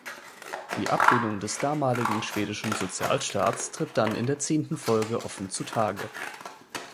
Die Ablehnung des damaligen schwedischen Sozialstaates tritt dann in der zehnten Folge offen zutage.